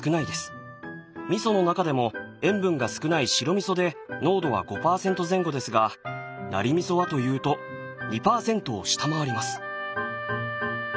味噌の中でも塩分が少ない白味噌で濃度は５％前後ですがナリ味噌はというと２％を下回ります。